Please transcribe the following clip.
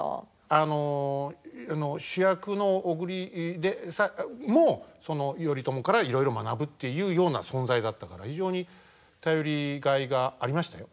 あの主役の小栗もその頼朝からいろいろ学ぶっていうような存在だったから非常に頼りがいがありましたよ。